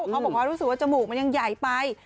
เขาบอกว่ารู้สึกว่าจมูกมันยังใหญ่ไป